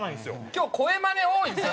今日声マネ多いんですよね